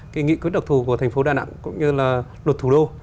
cái nghị quyết đặc thù của thành phố đà nẵng cũng như là luật thủ đô